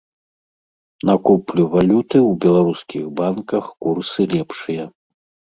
На куплю валюты ў беларускіх банках курсы лепшыя.